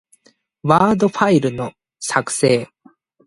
ワードファイルの、作成